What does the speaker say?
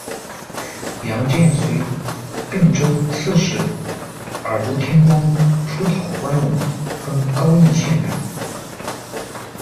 杨荐随并州刺史尔朱天光出讨关陇，封高邑县男。